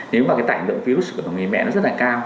nếu mà tảnh lượng virus của người mẹ rất là cao